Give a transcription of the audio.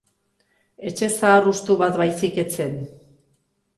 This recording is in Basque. Etxe zahar hustu bat baizik ez zen.